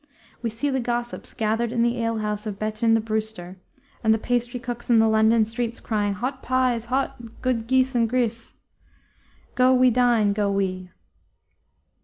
We see the gossips gathered in the ale house of Betun the brewster, and the pastry cooks in the London streets crying "Hote pies, hote! Good gees and grys. Go we dine, go we!"